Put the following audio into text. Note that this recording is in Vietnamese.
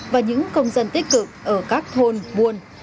và những công dân tích cực ở các thôn buôn